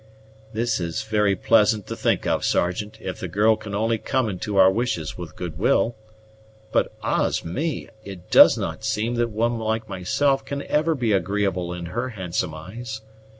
"This is very pleasant to think of, Sergeant, if the girl can only come into our wishes with good will. But, ah's me! It does not seem that one like myself can ever be agreeable in her handsome eyes.